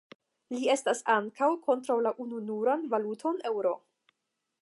Li estas ankaŭ kontraŭ la ununuran valuton Eŭro.